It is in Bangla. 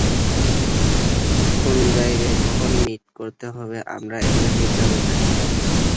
কোন জায়গায় কখন মিট করতে হবে আমরা এখনো ঠিকভাবে জানি না।